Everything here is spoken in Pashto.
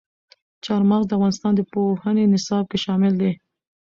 چار مغز د افغانستان د پوهنې نصاب کې شامل دي.